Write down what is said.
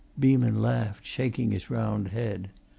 Beeman laughed, shaking his round head.